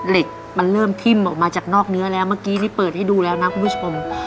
เหล็กมันเริ่มทิ่มออกมาจากนอกเนื้อแล้วเมื่อกี้นี่เปิดให้ดูแล้วนะคุณผู้ชม